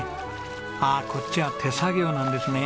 ああこっちは手作業なんですね。